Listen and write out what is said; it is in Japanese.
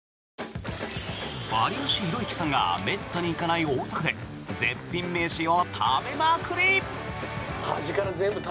有吉弘行さんがめったに行かない大阪で絶品飯を食べまくり！